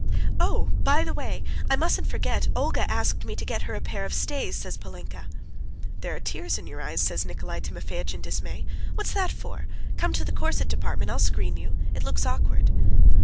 "Oh, by the way, I mustn't forget, Olga asked me to get her a pair of stays!" says Polinka. "There are tears in your eyes," says Nikolay Timofeitch in dismay. "What's that for? Come to the corset department, I'll screen you it looks awkward."